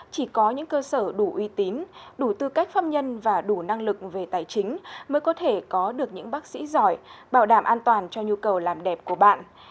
chỉ có những cơ sở đủ uy tín đủ tư cách pháp nhân và đủ năng lực về tài chính mới có thể có được những bác sĩ giỏi bảo đảm an toàn cho nhu cầu làm đẹp của bạn